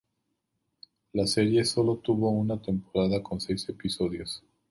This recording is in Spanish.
La serie sólo tuvo una temporada con seis episodios.